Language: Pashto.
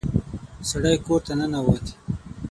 سړی کور ته ننوت.